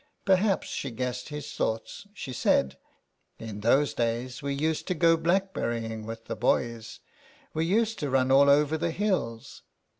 Perhaps she guessed his thoughts. She said: — "In those days we used to go blackberry ing with the boys. We used to run all over the hills."